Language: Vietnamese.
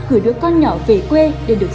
gửi đứa con nhỏ về quê để được